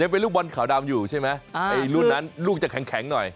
เป็นลูกบอลขาวดำอยู่ใช่ไหมไอ้รุ่นนั้นลูกจะแข็งหน่อย